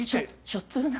しょっつる鍋。